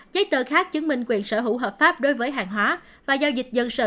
giấy tờ khác chứng minh quyền sở hữu hợp pháp đối với hàng hóa và giao dịch dân sự